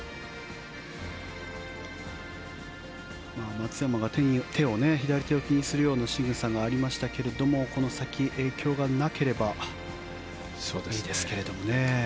松山が左手を気にするようなしぐさがありましたけれどもこの先、影響がなければいいですけれどもね。